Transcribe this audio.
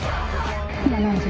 今何時？